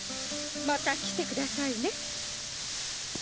また来て下さいね。